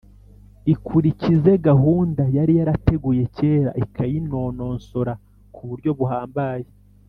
ikurikize gahunda yari yarateguye kera ikayinonosora ku buryo buhambaye.